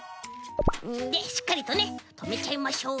でしっかりとねとめちゃいましょう。